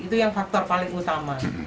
itu yang faktor paling utama